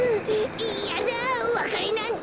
いやだおわかれなんて。